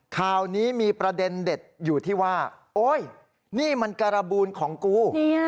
ข่าวนี้มีประเด็นเด็ดอยู่ที่ว่าโอ๊ยนี่มันการบูลของกู